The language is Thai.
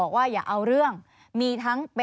สวัสดีครับ